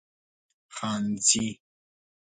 خانزي